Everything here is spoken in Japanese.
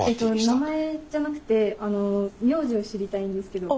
名前じゃなくて名字を知りたいんですけど。